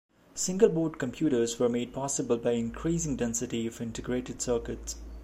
Single board computers were made possible by increasing density of integrated circuits.